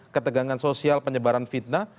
ketegangan sosial penyebaran fitnah